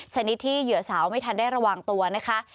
ชนิดที่เหยื่อสาวไม่ทันได้ระวังตัวนะคะ